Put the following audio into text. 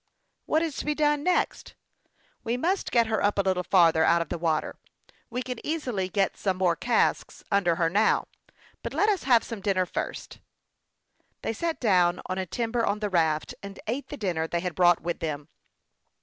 " What is to be done next ?"" We must get her up a little farther out of the water. We can easily get some more casks under her now ; but let us have some dinner first." They sat down on a timber on the raft, and ate the dinner they had brought with them.